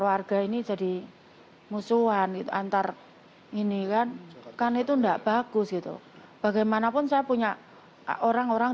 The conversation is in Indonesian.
warga ini jadi musuhan itu antar ini kan itu enggak bagus itu bagaimanapun saya punya orang orang